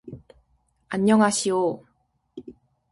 안녕하시오.